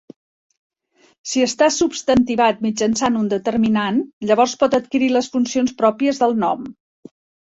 Si està substantivat mitjançant un determinant, llavors pot adquirir les funcions pròpies del nom.